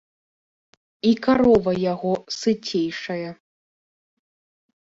І карова яго сыцейшая.